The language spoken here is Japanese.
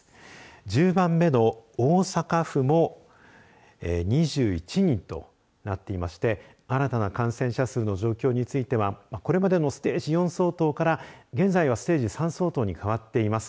１０番目の大阪府も２１人となっていまして新たな感染者数の状況についてはこれまでのステージ４相当から現在は、ステージ３相当に変わっています。